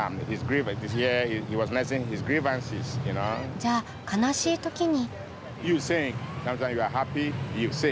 じゃあ悲しい時に。